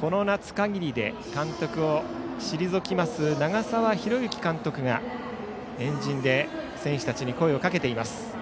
この夏限りで監督を退きます長澤宏行監督が円陣で選手たちに声をかけています。